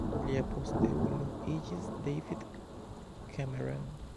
Lia posteulo iĝis David Cameron.